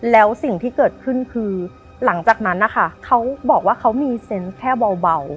แล้วสิ่งที่เกิดขึ้นคือหลังจากนั้นนะคะเขาบอกว่าเขามีเซนต์แค่เบา